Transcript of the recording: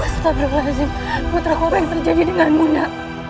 setelah berlazim putraku apa yang terjadi dengan munda